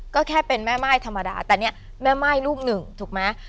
ก็แค่เป็นแม่ม่ายธรรมดาแต่เนี่ยแม่ม่ายรูปหนึ่งถูกไหม